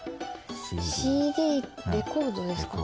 ＣＤレコードですか？